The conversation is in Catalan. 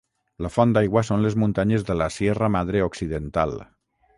La font d'aigua són les muntanyes de la Sierra Madre Occidental.